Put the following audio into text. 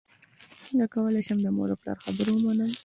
څنګه کولی شم د مور او پلار خبره ومنم